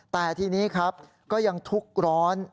แต่ทีนี้ครับก็ยังทุกข์ร้อน